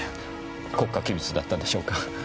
国家機密だったでしょうか。